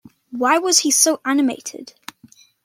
Why was he so animated?